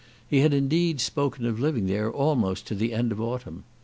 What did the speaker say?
He had indeed spoken of living there almost to the end of autumn.